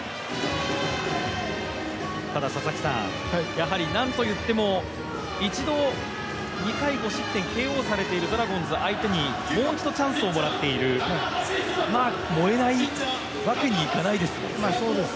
やはりなんといっても、一度２回５失点ＫＯされているドラゴンズにもう一度チャンスをもらっている、燃えないわけにいかないですよね。